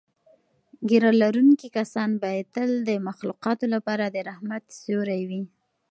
ږیره لرونکي کسان باید تل د مخلوقاتو لپاره د رحمت سیوری وي.